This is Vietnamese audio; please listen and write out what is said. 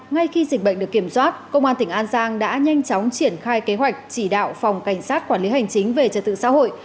ngay khi dịch bệnh được kiểm soát công an tỉnh an giang đã nhanh chóng triển khai kế hoạch chỉ đạo phòng cảnh sát quản lý hành chính về trật tự xã hội